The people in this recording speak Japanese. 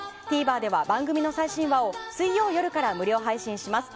ＴＶｅｒでは番組の最新話を水曜夜から無料配信します。